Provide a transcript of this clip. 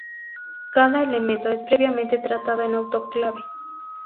Cada elemento es previamente tratado en autoclave.